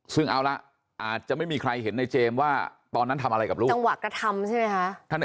ซึ่งเอาละอาจจะไม่มีใครเห็นในเจมส์ว่าตอนนั้นทำอะไรกับลูกจังหวะกระทำใช่ไหมคะ